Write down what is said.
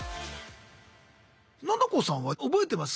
ななこさんは覚えてます？